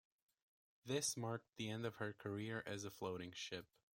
This marked the end of her career as a floating ship.